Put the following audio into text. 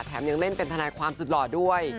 ยังเล่นเป็นทนายความสุดหล่อด้วย